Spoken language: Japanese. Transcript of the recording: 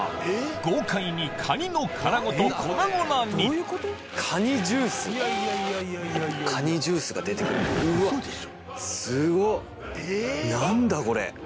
豪快にカニの殻ごと粉々にカニジュースが出て来たうわっすごっ！